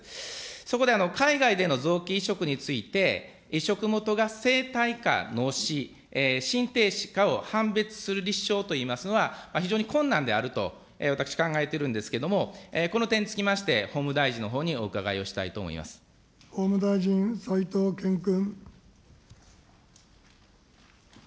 そこで海外での臓器移植について、移植もとが生体か脳死、心停止かを判別する立証というのは非常に困難であると、私考えているんですけれども、この点につきまして、法務大臣のほうにお伺法務大臣、齋藤健君。